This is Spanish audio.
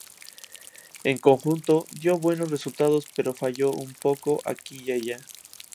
En conjunto, dio buenos resultados pero falló un poco aquí y allá.